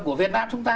của việt nam chúng ta